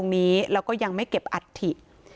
อยู่ตรงนี้แล้วก็ยังไม่เก็บอัดถิ